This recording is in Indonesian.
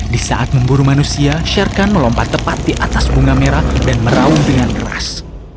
di saat memburu manusia sherkan melompat tepat di atas bunga merah dan meraung dengan keras